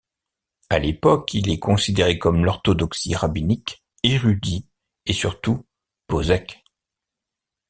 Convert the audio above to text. À l'époque, il est considéré comme l'orthodoxie rabbinique, érudit et surtout Posek.